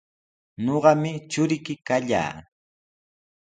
Ñuqami churiyki kallaa.